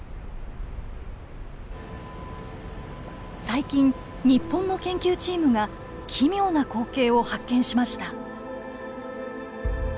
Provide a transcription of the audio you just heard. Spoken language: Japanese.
最近日本の研究チームが奇妙な光景を発見しました。